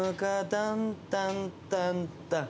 タンタンタンタン。